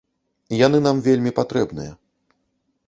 Яны нам вельмі патрэбныя.